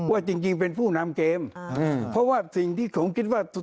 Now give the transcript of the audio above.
จริงเป็นผู้นำเกมเพราะว่าสิ่งที่ผมคิดว่า